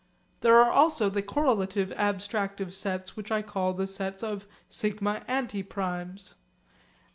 There are also the correlative abstractive sets which I call the sets of σ antiprimes.